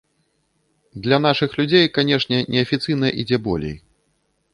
Для нашых людзей, канешне, неафіцыйна ідзе болей.